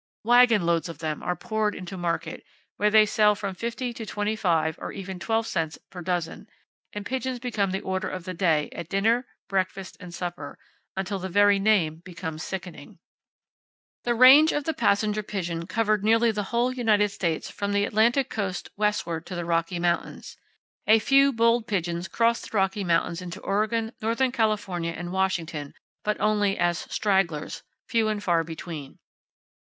Wagon loads of them are poured into market, where they sell from fifty to twenty five and even twelve cents per dozen; and pigeons become the order of the day at dinner, breakfast and supper, until the very name becomes sickening." The range of the passenger pigeon covered nearly the whole United States from the Atlantic coast westward to the Rocky Mountains. A few bold pigeons crossed the Rocky Mountains into Oregon, northern California and Washington, but only as "stragglers," few and far between.